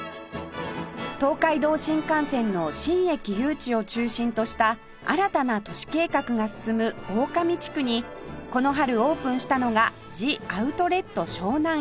東海道新幹線の新駅誘致を中心とした新たな都市計画が進む大神地区にこの春オープンしたのが